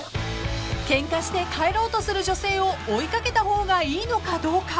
［ケンカして帰ろうとする女性を追い掛けた方がいいのかどうか］